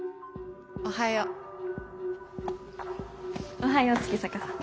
おはよ月坂さん。